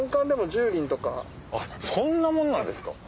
あっそんなもんなんですか。